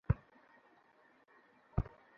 যেমন আমরা পূর্বে বর্ণনা করেছি।